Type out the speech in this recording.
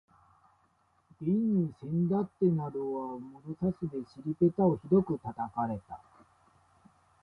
現にせんだってなどは物差しで尻ぺたをひどく叩かれた